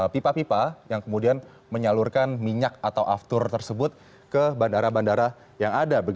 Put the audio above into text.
pipa pipa yang kemudian menyalurkan minyak atau aftur tersebut ke bandara bandara yang ada